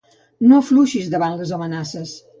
No afluixis davant les amenaces.